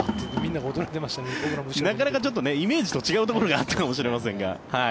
なかなかイメージと違うところがあったかもしれませんが。